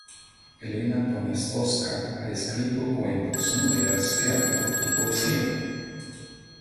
Elena Poniatowska ha escrito cuentos, novelas, teatro y poesía.